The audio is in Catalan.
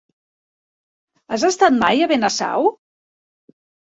Has estat mai a Benasau?